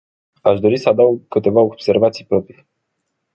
Aș dori să adaug câteva observații proprii.